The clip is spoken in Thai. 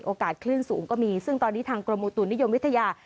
คลื่นสูงก็มีซึ่งตอนนี้ทางกรมอุตุนิยมวิทยา